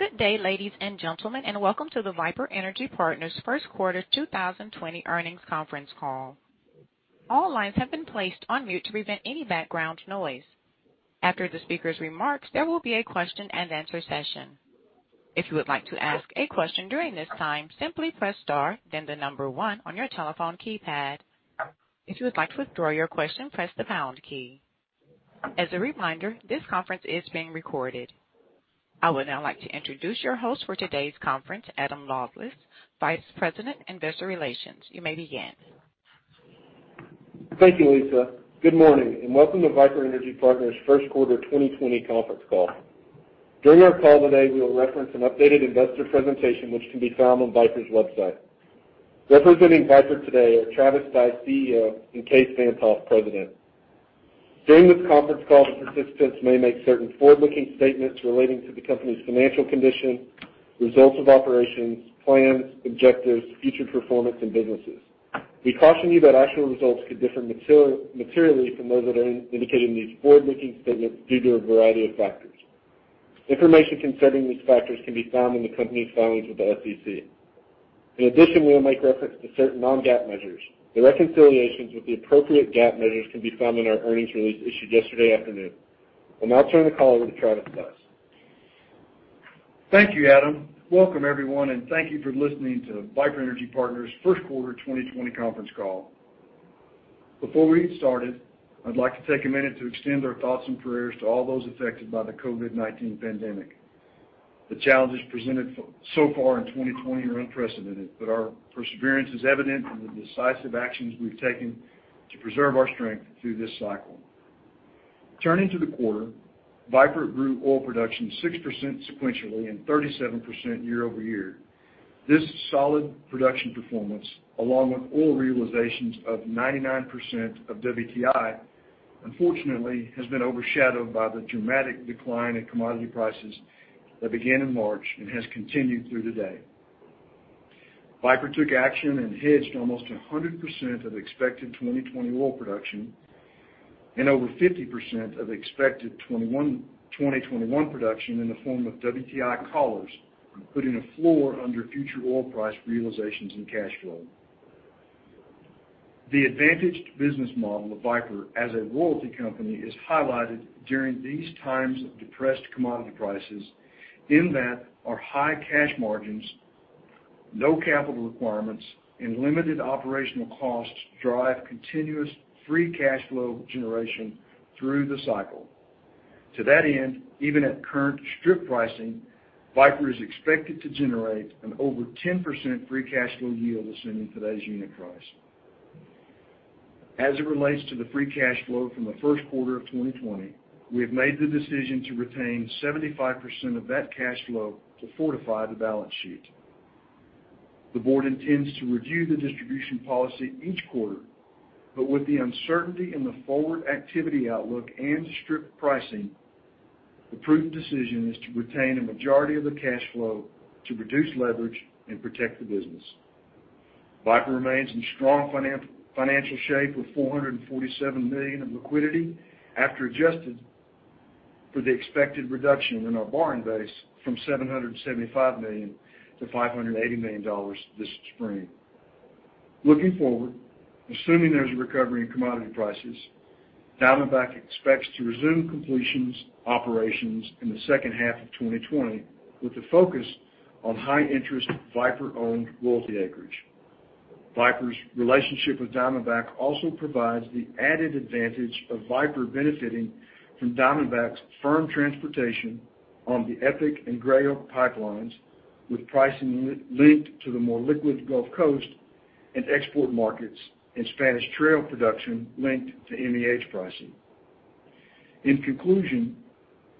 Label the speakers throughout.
Speaker 1: Good day, ladies and gentlemen, and welcome to the Viper Energy Partners first quarter 2020 earnings conference call. All lines have been placed on mute to prevent any background noise. After the speakers' remarks, there will be a question and answer session. If you would like to ask a question during this time, simply press star, then the number one on your telephone keypad. If you would like to withdraw your question, press the pound key. As a reminder, this conference is being recorded. I would now like to introduce your host for today's conference, Adam Lawlis, Vice President, Investor Relations. You may begin.
Speaker 2: Thank you, Lisa. Good morning, and welcome to Viper Energy Partners' first quarter 2020 conference call. During our call today, we will reference an updated investor presentation which can be found on Viper's website. Representing Viper today are Travis Stice, CEO, and Kaes Van't Hof, President. During this conference call, the participants may make certain forward-looking statements relating to the company's financial condition, results of operations, plans, objectives, future performance, and businesses. We caution you that actual results could differ materially from those that are indicated in these forward-looking statements due to a variety of factors. Information concerning these factors can be found in the company's filings with the SEC. In addition, we will make reference to certain non-GAAP measures. The reconciliations with the appropriate GAAP measures can be found in our earnings release issued yesterday afternoon. I'll now turn the call over to Travis Stice.
Speaker 3: Thank you, Adam. Welcome everyone, and thank you for listening to Viper Energy Partners' first quarter 2020 conference call. Before we get started, I'd like to take a minute to extend our thoughts and prayers to all those affected by the COVID-19 pandemic. The challenges presented so far in 2020 are unprecedented, but our perseverance is evident in the decisive actions we've taken to preserve our strength through this cycle. Turning to the quarter, Viper grew oil production 6% sequentially and 37% year-over-year. This solid production performance, along with oil realizations of 99% of WTI, unfortunately has been overshadowed by the dramatic decline in commodity prices that began in March and has continued through today. Viper took action and hedged almost 100% of expected 2020 oil production and over 50% of expected 2021 production in the form of WTI collars, putting a floor under future oil price realizations and cash flow. The advantaged business model of Viper as a royalty company is highlighted during these times of depressed commodity prices in that our high cash margins, no capital requirements, and limited operational costs drive continuous free cash flow generation through the cycle. To that end, even at current strip pricing, Viper is expected to generate an over 10% free cash flow yield assuming today's unit price. As it relates to the free cash flow from the first quarter of 2020, we have made the decision to retain 75% of that cash flow to fortify the balance sheet. The board intends to review the distribution policy each quarter, but with the uncertainty in the forward activity outlook and strip pricing, the prudent decision is to retain a majority of the cash flow to reduce leverage and protect the business. Viper remains in strong financial shape with $447 million of liquidity after adjusted for the expected reduction in our borrowing base from $775 million to $580 million this spring. Looking forward, assuming there's a recovery in commodity prices, Diamondback expects to resume completions operations in the second half of 2020 with a focus on high-interest Viper-owned royalty acreage. Viper's relationship with Diamondback also provides the added advantage of Viper benefiting from Diamondback's firm transportation on the Epic and Gray Oak pipelines, with pricing linked to the more liquid Gulf Coast and export markets and Spanish Trail production linked to MEH pricing. In conclusion,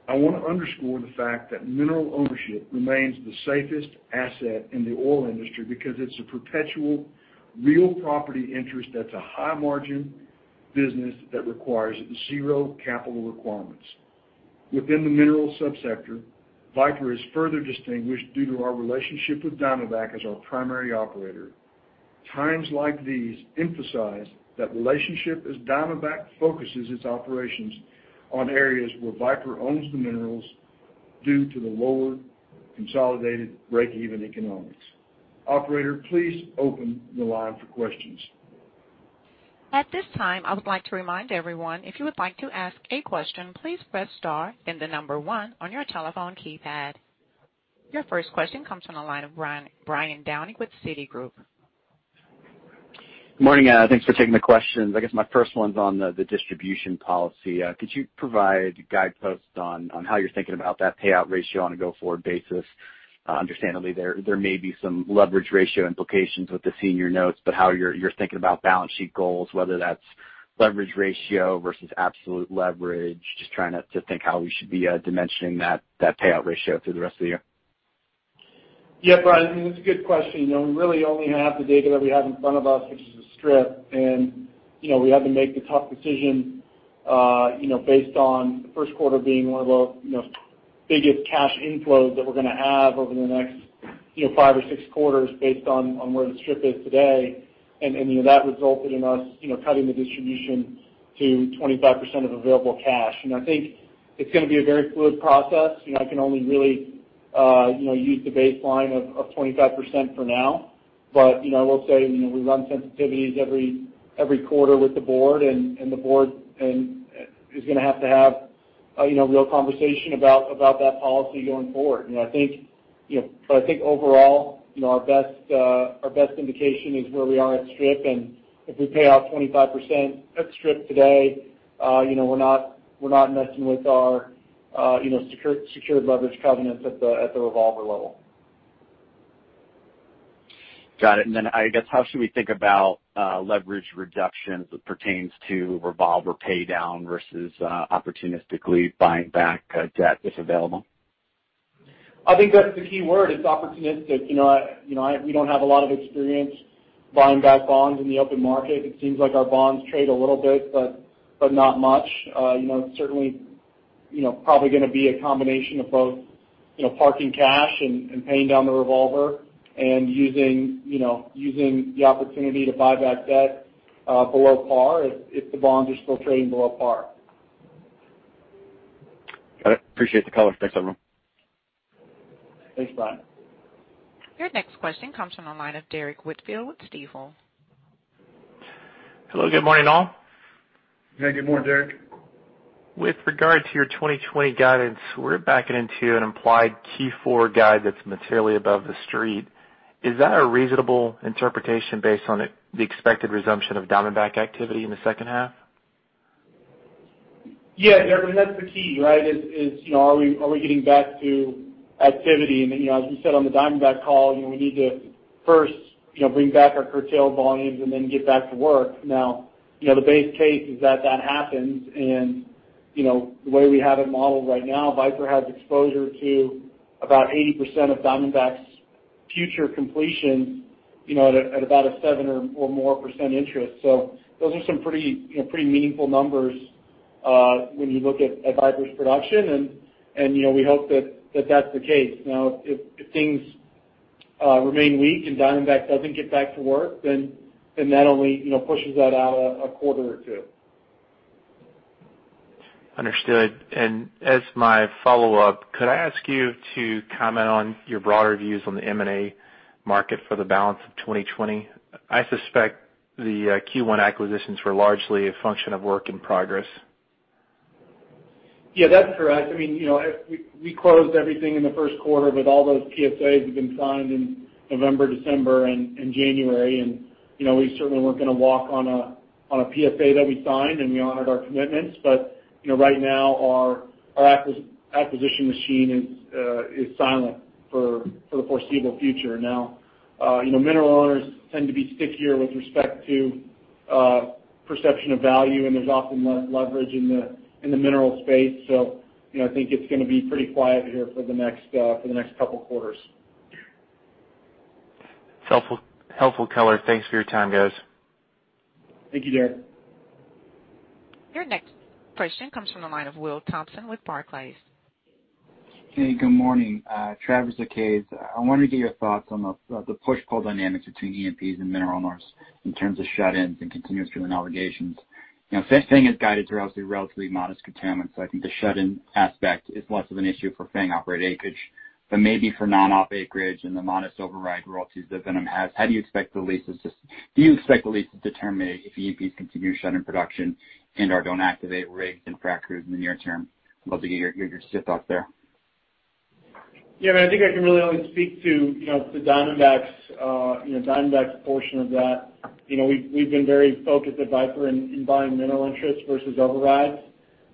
Speaker 3: I want to underscore the fact that mineral ownership remains the safest asset in the oil industry because it's a perpetual real property interest that's a high-margin business that requires zero capital requirements. Within the mineral sub-sector, Viper is further distinguished due to our relationship with Diamondback as our primary operator. Times like these emphasize that relationship as Diamondback focuses its operations on areas where Viper owns the minerals due to the lower consolidated break-even economics. Operator, please open the line for questions.
Speaker 1: At this time, I would like to remind everyone, if you would like to ask a question, please press star and the number one on your telephone keypad. Your first question comes from the line of Brian Downey with Citigroup.
Speaker 4: Good morning. Thanks for taking the questions. I guess my first one's on the distribution policy. Could you provide guideposts on how you're thinking about that payout ratio on a go-forward basis? Understandably, there may be some leverage ratio implications with the senior notes, but how you're thinking about balance sheet goals, whether that's leverage ratio versus absolute leverage. Just trying to think how we should be dimensioning that payout ratio through the rest of the year.
Speaker 5: Yeah, Brian, it's a good question. We really only have the data that we have in front of us, which is the strip, and we had to make the tough decision based on the first quarter being one of the biggest cash inflows that we're going to have over the next five or six quarters based on where the strip is today. That resulted in us cutting the distribution to 25% of available cash. I think it's going to be a very fluid process. I can only really use the baseline of 25% for now. We'll say we run sensitivities every quarter with the Board, and the Board is going to have to have a real conversation about that policy going forward. I think overall, our best indication is where we are at strip, and if we pay out 25% at strip today, we're not messing with our secured leverage covenants at the revolver level.
Speaker 4: Got it. I guess, how should we think about leverage reductions as it pertains to revolver paydown versus opportunistically buying back debt if available?
Speaker 5: I think that's the key word. It's opportunistic. We don't have a lot of experience buying back bonds in the open market. It seems like our bonds trade a little bit, but not much. It's certainly probably going to be a combination of both parking cash and paying down the revolver and using the opportunity to buy back debt below par if the bonds are still trading below par.
Speaker 4: Got it. Appreciate the color. Thanks, everyone.
Speaker 5: Thanks, Brian.
Speaker 1: Your next question comes from the line of Derrick Whitfield with Stifel.
Speaker 6: Hello, good morning, all.
Speaker 5: Yeah, good morning, Derrick.
Speaker 6: With regard to your 2020 guidance, we're backing into an implied Q4 guide that's materially above the street. Is that a reasonable interpretation based on the expected resumption of Diamondback activity in the second half?
Speaker 5: Yeah, Derrick, that's the key, right? Is are we getting back to activity? as we said on the Diamondback call, we need to first bring back our curtailed volumes and then get back to work. Now, the base case is that that happens, and the way we have it modeled right now, Viper has exposure to about 80% of Diamondback's future completions at about a seven or more percent interest. those are some pretty meaningful numbers when you look at Viper's production, and we hope that that's the case. Now, if things remain weak and Diamondback doesn't get back to work, then that only pushes that out a quarter or two.
Speaker 6: Understood. As my follow-up, could I ask you to comment on your broader views on the M&A market for the balance of 2020? I suspect the Q1 acquisitions were largely a function of work in progress.
Speaker 5: Yeah, that's correct. We closed everything in the first quarter with all those PSAs that have been signed in November, December, and January. We certainly weren't going to walk on a PSA that we signed, and we honored our commitments. Right now, our acquisition machine is silent for the foreseeable future. Now, mineral owners tend to be stickier with respect to perception of value, and there's often less leverage in the mineral space. I think it's going to be pretty quiet here for the next couple of quarters.
Speaker 6: Helpful color. Thanks for your time, guys.
Speaker 5: Thank you, Derrick.
Speaker 1: Your next question comes from the line of Will Thompson with Barclays.
Speaker 7: Hey, good morning. Travis and Kaes. I wanted to get your thoughts on the push-pull dynamics between E&Ps and mineral owners in terms of shut-ins and continuous drilling obligations. Now, Diamondback has guided to obviously relatively modest curtailment, so I think the shut-in aspect is less of an issue for FANG operated acreage. Maybe for non-op acreage and the modest override royalties that Viper has, do you expect the leases to terminate if E&Ps continue shutting production and/or don't activate rigs and frac crews in the near term? Love to get your just thoughts there.
Speaker 5: Yeah, I think I can really only speak to the Diamondback portion of that. We've been very focused at Viper in buying mineral interests versus overrides.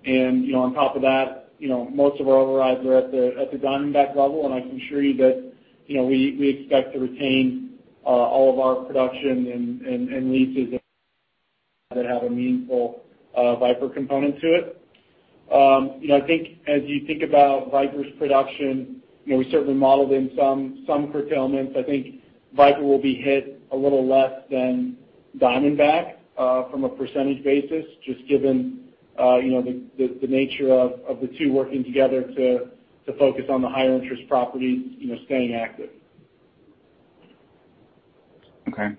Speaker 5: On top of that, most of our overrides are at the Diamondback level, and I can assure you that we expect to retain all of our production and leases that have a meaningful Viper component to it. I think as you think about Viper's production, we certainly modeled in some curtailments. I think Viper will be hit a little less than Diamondback from a percentage basis, just given the nature of the two working together to focus on the higher interest properties staying active.
Speaker 7: Okay.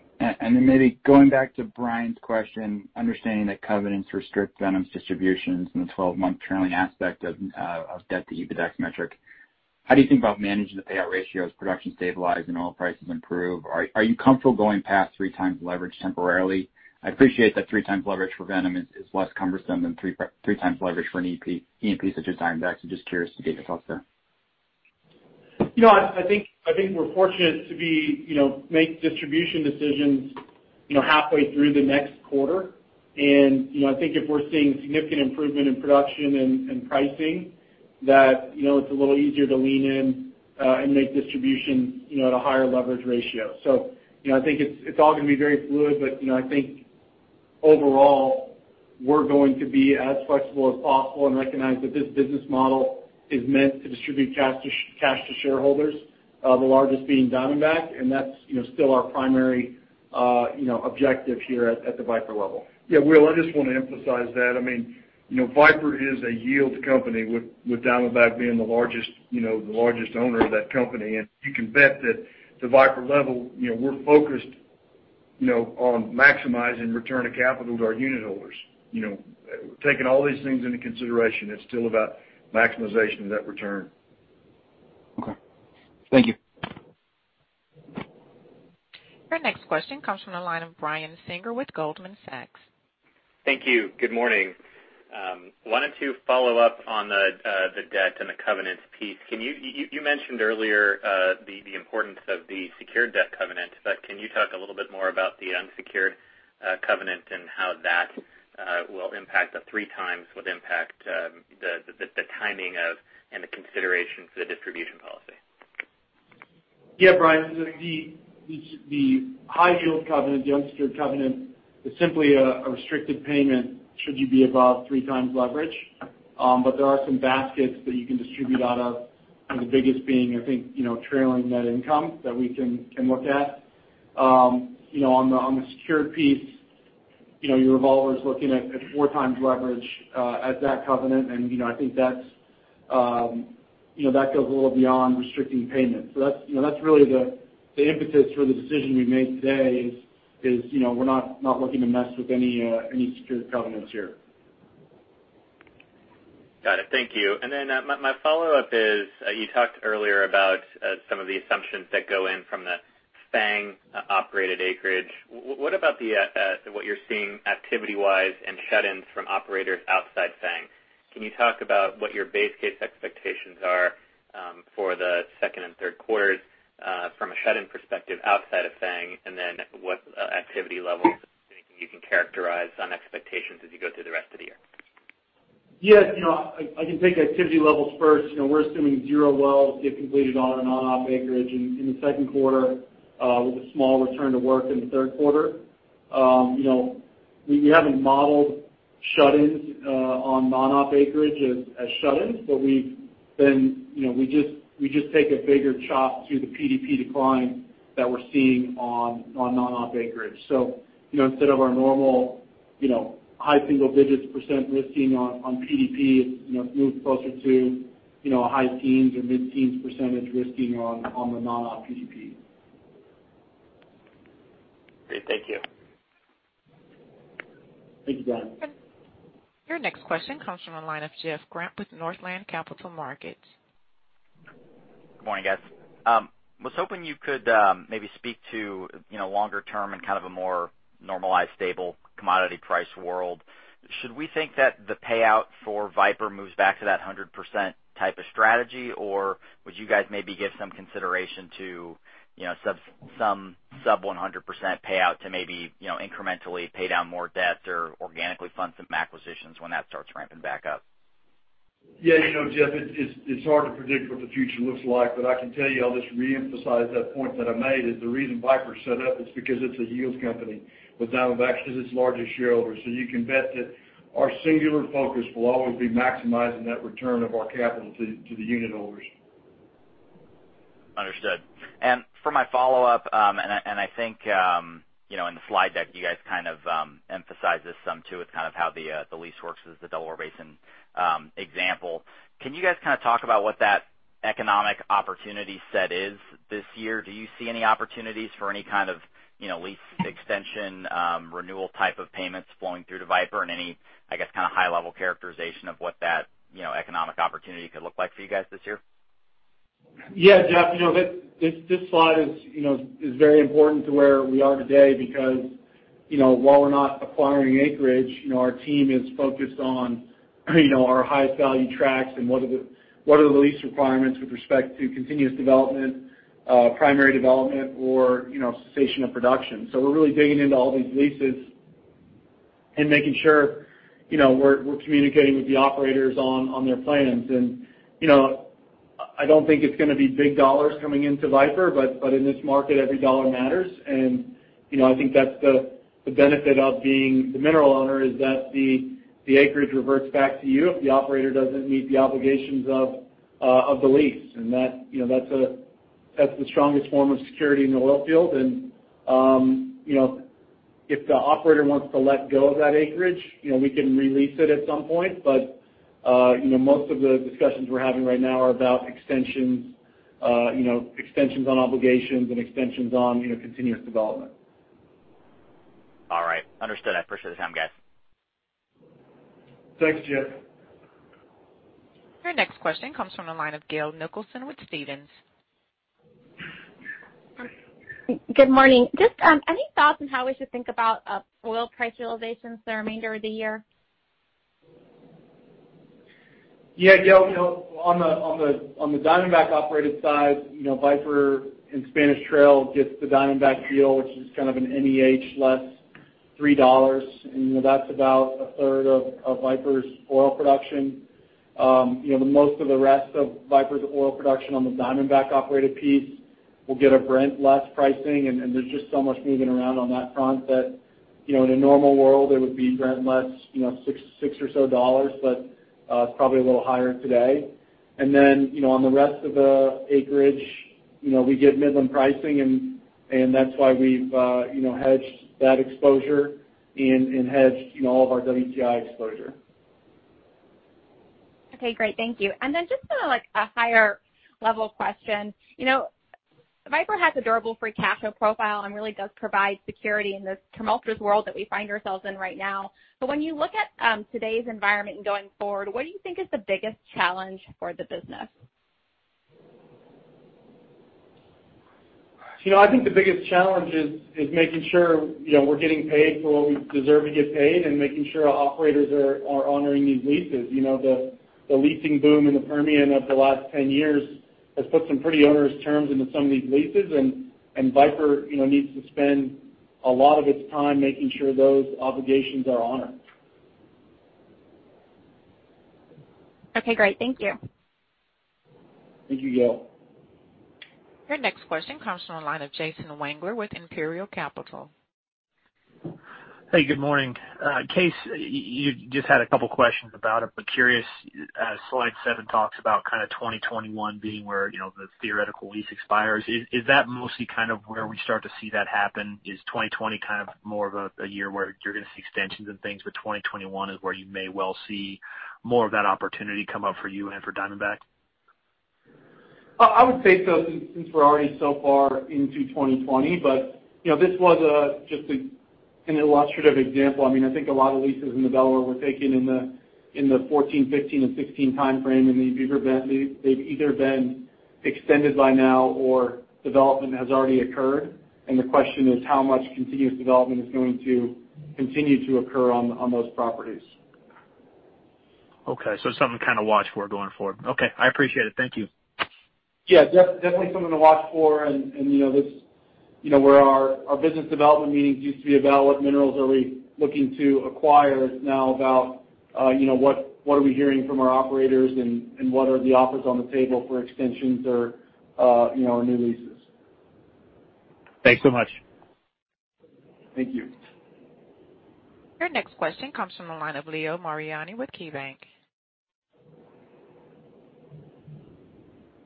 Speaker 7: maybe going back to Brian's question, understanding that covenants restrict Diamond's distributions in the 12-month trailing aspect of debt to EBITDA metric, how do you think about managing the payout ratio as production stabilize and oil prices improve? Are you comfortable going past three times leverage temporarily? I appreciate that three times leverage for Viper is less cumbersome than three times leverage for an E&P such as Diamondback, so just curious to get your thoughts there.
Speaker 5: I think we're fortunate to make distribution decisions halfway through the next quarter. I think if we're seeing significant improvement in production and pricing, that it's a little easier to lean in and make distribution at a higher leverage ratio. I think it's all going to be very fluid, but I think overall, we're going to be as flexible as possible and recognize that this business model is meant to distribute cash to shareholders, the largest being Diamondback, and that's still our primary objective here at the Viper level.
Speaker 3: Yeah, Will, I just want to emphasize that. Viper is a yield company with Diamondback being the largest owner of that company. You can bet that the Viper level, we're focused on maximizing return of capital to our unit holders. Taking all these things into consideration, it's still about maximization of that return.
Speaker 7: Okay. Thank you.
Speaker 1: Your next question comes from the line of Brian Singer with Goldman Sachs.
Speaker 8: Thank you. Good morning. Wanted to follow up on the debt and the covenants piece. You mentioned earlier the importance of the secured debt covenant, but can you talk a little bit more about the unsecured covenant and how that will impact the three times would impact the timing of and the consideration for the distribution policy?
Speaker 5: Yeah, Brian, the high yield covenant, the unsecured covenant, is simply a restricted payment should you be above three times leverage. There are some baskets that you can distribute out of, the biggest being, I think, trailing net income that we can look at. On the secured piece, your revolver's looking at four times leverage at that covenant, and I think that goes a little beyond restricting payment. That's really the impetus for the decision we made today is we're not looking to mess with any secured covenants here.
Speaker 8: Got it. Thank you. my follow-up is, you talked earlier about some of the assumptions that go in from the FANG operated acreage. What about what you're seeing activity-wise and shut-ins from operators outside FANG? Can you talk about what your base case expectations are for the second and third quarters from a shut-in perspective outside of FANG, and then what activity levels, if anything, you can characterize on expectations as you go through the rest of the year?
Speaker 5: Yeah, I can take activity levels first. We're assuming zero wells get completed on and off acreage in the second quarter, with a small return to work in the third quarter. We haven't modeled shut-ins on non-op acreage as shut-ins, but we just take a bigger chop to the PDP decline that we're seeing on non-op acreage. instead of our normal high single digits % risking on PDP, it moves closer to high teens or mid-teens % risking on the non-op PDP.
Speaker 8: Great. Thank you.
Speaker 5: Thank you, Brian.
Speaker 1: Your next question comes from the line of Jeff Grampp with Northland Capital Markets.
Speaker 9: Good morning, guys. I was hoping you could maybe speak to longer term and kind of a more normalized, stable commodity price world. Should we think that the payout for Viper moves back to that 100% type of strategy, or would you guys maybe give some consideration to some sub 100% payout to maybe incrementally pay down more debt or organically fund some acquisitions when that starts ramping back up?
Speaker 3: Yeah, Jeff, it's hard to predict what the future looks like, but I can tell you, I'll just reemphasize that point that I made, is the reason Viper's set up is because it's a yield company, with Diamondback as its largest shareholder. You can bet that our singular focus will always be maximizing that return of our capital to the unit holders.
Speaker 9: Understood. For my follow-up, and I think in the slide deck, you guys kind of emphasized this some, too, with kind of how the lease works as the Delaware Basin example. Can you guys talk about what that economic opportunity set is this year? Do you see any opportunities for any kind of lease extension, renewal type of payments flowing through to Viper and any, I guess, high level characterization of what that economic opportunity could look like for you guys this year?
Speaker 5: Yeah, Jeff, this slide is very important to where we are today because while we're not acquiring acreage, our team is focused on our highest value tracks and what are the lease requirements with respect to continuous development, primary development, or cessation of production. We're really digging into all these leases and making sure we're communicating with the operators on their plans. I don't think it's going to be big dollars coming into Viper, but in this market, every dollar matters. I think that's the benefit of being the mineral owner is that the acreage reverts back to you if the operator doesn't meet the obligations of the lease. That's the strongest form of security in the oil field. If the operator wants to let go of that acreage, we can re-lease it at some point. most of the discussions we're having right now are about extensions on obligations and extensions on continuous development.
Speaker 9: All right. Understood. I appreciate the time, guys.
Speaker 3: Thanks, Jeff.
Speaker 1: Your next question comes from the line of Gail Nicholson with Stephens.
Speaker 10: Good morning. Just any thoughts on how we should think about oil price realizations the remainder of the year?
Speaker 5: Yeah, Gail, on the Diamondback operated side, Viper and Spanish Trail gets the Diamondback deal, which is kind of an MEH less $3. That's about a third of Viper's oil production. Most of the rest of Viper's oil production on the Diamondback operated piece will get a Brent less pricing, and there's just so much moving around on that front that. In a normal world, it would be Brent less, six or so dollars, but it's probably a little higher today. On the rest of the acreage, we get Midland pricing and that's why we've hedged that exposure and hedged all of our WTI exposure.
Speaker 10: Okay, great. Thank you. just a higher level question. Viper has a durable free cash flow profile and really does provide security in this tumultuous world that we find ourselves in right now. when you look at today's environment and going forward, what do you think is the biggest challenge for the business?
Speaker 5: I think the biggest challenge is making sure we're getting paid for what we deserve to get paid and making sure our operators are honoring these leases. The leasing boom in the Permian of the last 10 years has put some pretty onerous terms into some of these leases and Viper needs to spend a lot of its time making sure those obligations are honored.
Speaker 10: Okay, great. Thank you.
Speaker 5: Thank you, Gail.
Speaker 1: Your next question comes from the line of Jason Wangler with Imperial Capital.
Speaker 11: Hey, good morning. Kaes, you just had a couple questions about it, but curious, slide seven talks about 2021 being where the theoretical lease expires. Is that mostly where we start to see that happen? Is 2020 more of a year where you're going to see extensions and things, but 2021 is where you may well see more of that opportunity come up for you and for Diamondback?
Speaker 5: I would say so since we're already so far into 2020. This was just an illustrative example. I think a lot of leases in the Delaware were taken in the '14, '15, and '16 timeframe, and they've either been extended by now or development has already occurred. The question is how much continuous development is going to continue to occur on those properties.
Speaker 11: Okay. something to watch for going forward. Okay, I appreciate it. Thank you.
Speaker 5: Yeah, definitely something to watch for. Where our business development meetings used to be about what minerals are we looking to acquire, it's now about what are we hearing from our operators and what are the offers on the table for extensions or new leases.
Speaker 11: Thanks so much.
Speaker 5: Thank you.
Speaker 1: Your next question comes from the line of Leo Mariani with KeyBanc.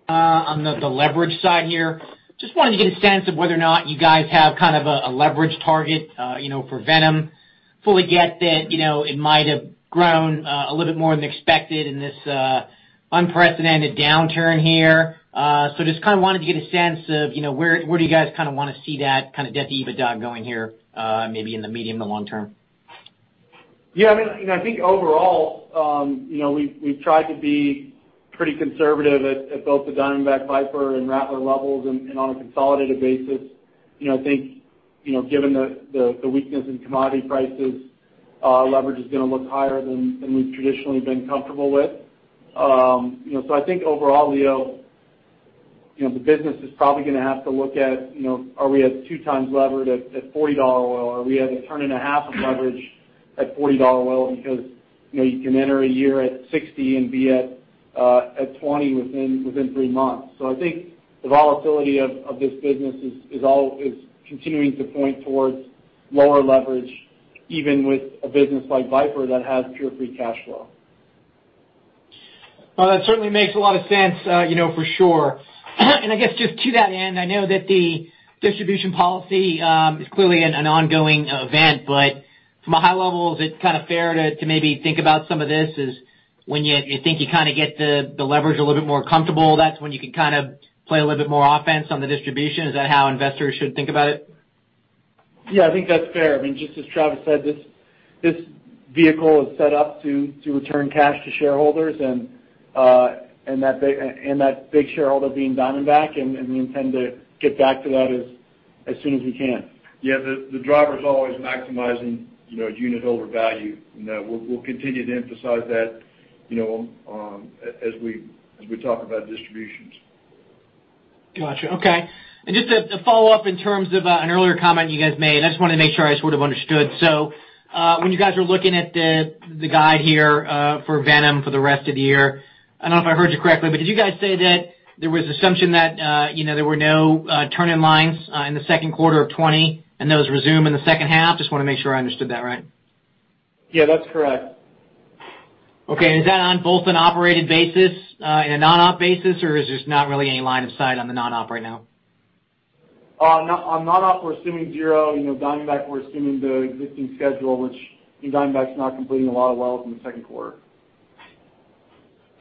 Speaker 12: On the leverage side here, just wanted to get a sense of whether or not you guys have a leverage target for VNOM. Fully get that it might have grown a little bit more than expected in this unprecedented downturn here. Just wanted to get a sense of where do you guys want to see that debt to EBITDA going here maybe in the medium to long term?
Speaker 5: Yeah, I think overall, we've tried to be pretty conservative at both the Diamondback, Viper, and Rattler levels. On a consolidated basis, I think given the weakness in commodity prices, leverage is going to look higher than we've traditionally been comfortable with. I think overall, Leo, the business is probably going to have to look at are we at two times levered at $40 oil? Are we at a turn and a half of leverage at $40 oil? Because you can enter a year at 60 and be at 20 within three months. I think the volatility of this business is continuing to point towards lower leverage, even with a business like Viper that has pure free cash flow.
Speaker 12: Well, that certainly makes a lot of sense for sure. I guess just to that end, I know that the distribution policy is clearly an ongoing event, but from a high level, is it fair to maybe think about some of this as when you think you get the leverage a little bit more comfortable, that's when you can play a little bit more offense on the distribution? Is that how investors should think about it?
Speaker 5: Yeah, I think that's fair. Just as Travis said, this vehicle is set up to return cash to shareholders, and that big shareholder being Diamondback, and we intend to get back to that as soon as we can.
Speaker 3: Yeah, the driver's always maximizing unitholder value. We'll continue to emphasize that as we talk about distributions.
Speaker 12: Got you. Okay. Just a follow-up in terms of an earlier comment you guys made, and I just wanted to make sure I understood. When you guys are looking at the guide here for VNOM for the rest of the year, I don't know if I heard you correctly, but did you guys say that there was assumption that there were no turn-in lines in the second quarter of 2020, and those resume in the second half? Just want to make sure I understood that right.
Speaker 5: Yeah, that's correct.
Speaker 12: Okay. Is that on both an operated basis and a non-op basis, or is there just not really any line of sight on the non-op right now?
Speaker 5: On non-op, we're assuming zero. Diamondback, we're assuming the existing schedule, which Diamondback's not completing a lot of wells in the second quarter.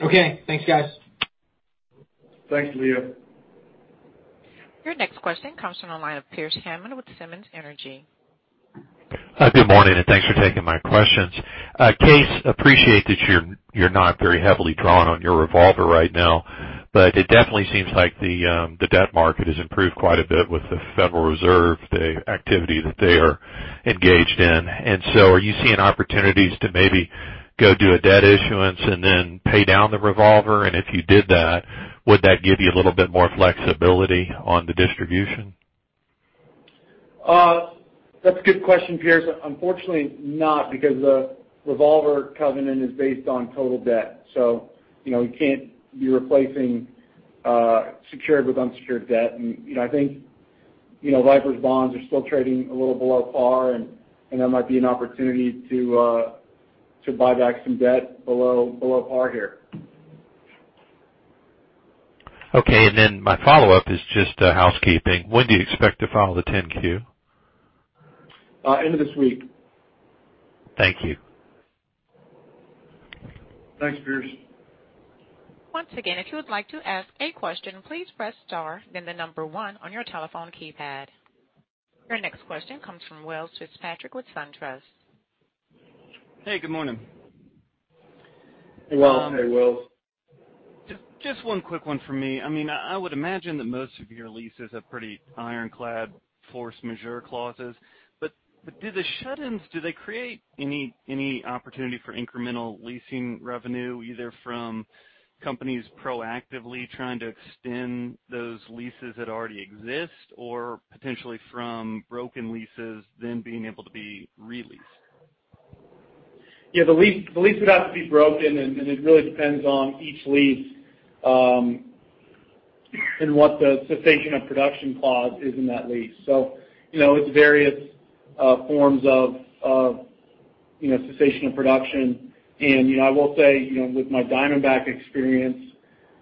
Speaker 12: Okay. Thanks, guys.
Speaker 5: Thanks, Leo.
Speaker 1: Your next question comes from the line of Pearce Hammond with Simmons Energy.
Speaker 13: Good morning, and thanks for taking my questions. Kaes, appreciate that you're not very heavily drawn on your revolver right now, but it definitely seems like the debt market has improved quite a bit with the Federal Reserve, the activity that they are engaged in. Are you seeing opportunities to maybe go do a debt issuance and then pay down the revolver? If you did that, would that give you a little bit more flexibility on the distribution?
Speaker 5: That's a good question, Pearce. Unfortunately not, because the revolver covenant is based on total debt. You can't be replacing secured with unsecured debt. I think Viper's bonds are still trading a little below par, and that might be an opportunity to buy back some debt below par here.
Speaker 13: Okay. My follow-up is just housekeeping. When do you expect to file the 10-Q?
Speaker 5: End of this week.
Speaker 13: Thank you.
Speaker 3: Thanks, Pearce.
Speaker 1: Once again, if you would like to ask a question, please press star then the number one on your telephone keypad. Your next question comes from Welles Fitzpatrick with SunTrust.
Speaker 14: Hey, good morning.
Speaker 5: Hey, Welles.
Speaker 3: Hey, Welles.
Speaker 14: Just one quick one for me. I would imagine that most of your leases have pretty ironclad force majeure clauses, but do the shut-ins, do they create any opportunity for incremental leasing revenue, either from companies proactively trying to extend those leases that already exist or potentially from broken leases then being able to be re-leased?
Speaker 5: Yeah, the lease would have to be broken, and it really depends on each lease, and what the cessation of production clause is in that lease. It's various forms of cessation of production, and I will say, with my Diamondback experience,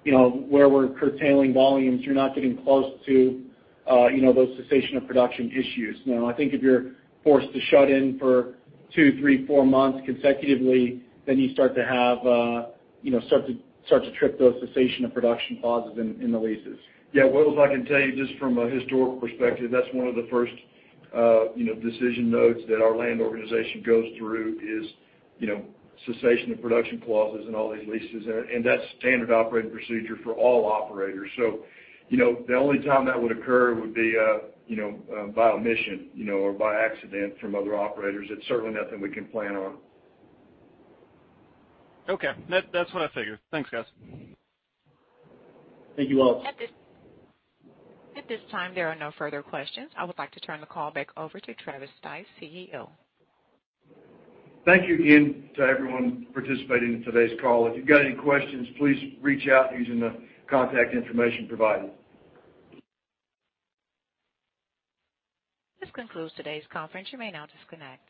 Speaker 5: where we're curtailing volumes, you're not getting close to those cessation of production issues. I think if you're forced to shut in for two, three, four months consecutively, then you start to trip those cessation of production clauses in the leases.
Speaker 3: Yeah, Welles, I can tell you just from a historical perspective, that's one of the first decision nodes that our land organization goes through is cessation of production clauses in all these leases. That's standard operating procedure for all operators. The only time that would occur would be by omission or by accident from other operators. It's certainly nothing we can plan on.
Speaker 14: Okay. That's what I figured. Thanks, guys.
Speaker 5: Thank you, Welles.
Speaker 1: At this time, there are no further questions. I would like to turn the call back over to Travis Stice, CEO.
Speaker 3: Thank you again to everyone participating in today's call. If you've got any questions, please reach out using the contact information provided.
Speaker 1: This concludes today's conference. You may now disconnect.